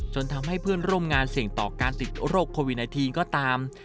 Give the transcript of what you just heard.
จนทำให้เพื่อนร่วมงานเสี่ยงต่อการติดโรคโควิด๑๙ก็ตาม